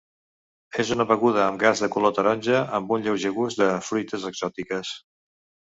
És una beguda amb gas de color taronja amb un lleuger gust de fruites exòtiques.